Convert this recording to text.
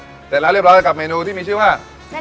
เสร็จแล้วเรียบร้อยกับเมนูที่มีชื่อว่า